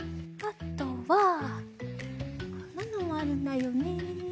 あとはこんなのもあるんだよね。